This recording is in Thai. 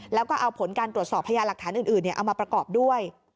แล้วก็เอาผลการตรวจสอบพยานหลักฐานอื่นเอามาประกอบด้วย